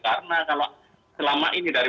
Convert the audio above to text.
karena kalau selama ini dari